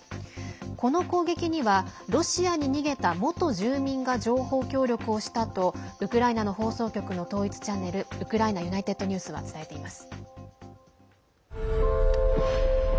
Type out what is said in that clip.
この攻撃には、ロシアに逃げた元住民が情報協力をしたとウクライナの放送局の統一チャンネルウクライナＵｎｉｔｅｄＮｅｗｓは伝えています。